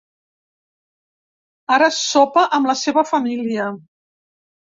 Ara sopa amb la seva família.